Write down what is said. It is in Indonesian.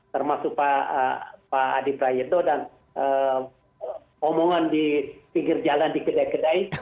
termasuk pak adi prayeto dan omongan di pinggir jalan di kedai kedai